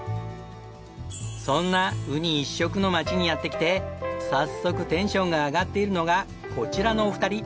そんなウニ一色の町にやって来て早速テンションが上がっているのがこちらのお二人。